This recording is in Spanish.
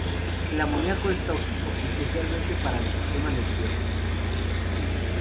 El amoníaco es tóxico, especialmente para el sistema nervioso.